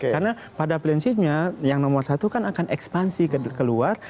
karena pada prinsipnya yang nomor satu kan akan ekspansi keluar